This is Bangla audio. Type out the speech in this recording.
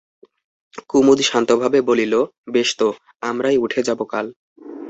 কুমুদ শান্তভাবে বলিল, বেশ তো, আমরাই উঠে যাব কাল।